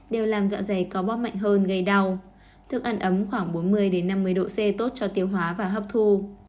đều làm dạ dày có bóp mạnh hơn gây đau thức ăn ấm khoảng bốn mươi năm mươi độ c tốt cho tiêu hóa và hấp thu